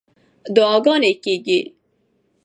دعاګانې کېږي.